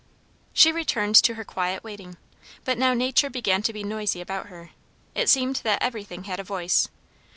She returned to her quiet waiting. But now nature began to be noisy about her. It seemed that everything had a voice.